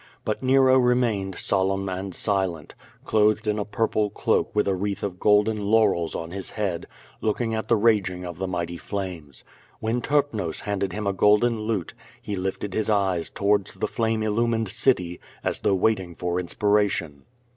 But Nero remained solemn and silent, clothed in a purple cloak with a wreath of golden laurels on his head, looking at the raging of the mighty flames. When Terpnos handed him a golden lute, he lifted his eyes towards the flame illumined city, as though waiting for inspiration.